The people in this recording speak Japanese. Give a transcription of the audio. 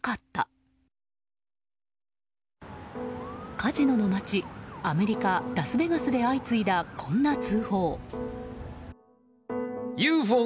カジノの街アメリカ・ラスベガスで相次いだこんな通報。